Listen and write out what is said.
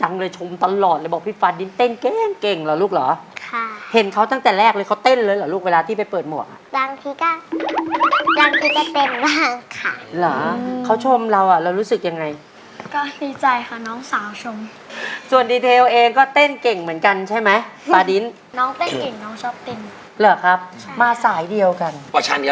อ๋ออยากใส่ชุดค่ะอ๋ออยากใส่ชุดค่ะอ๋ออยากใส่ชุดค่ะอ๋ออยากใส่ชุดค่ะอ๋ออยากใส่ชุดค่ะอ๋ออยากใส่ชุดค่ะอ๋ออยากใส่ชุดค่ะอ๋ออยากใส่ชุดค่ะอ๋ออยากใส่ชุดค่ะอ๋ออยากใส่ชุดค่ะอ๋ออยากใส่ชุดค่ะอ๋ออยากใส่ชุดค่ะอ๋ออยากใส่ชุดค่ะ